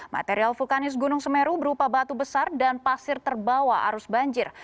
material vulkanis gunung semeru berupa batu besar dan pasir terbawa arus banjir